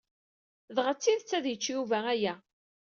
Dɣa d tidet ad yečč Yuba aya?